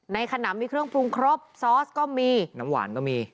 ขนำมีเครื่องปรุงครบซอสก็มีน้ำหวานก็มี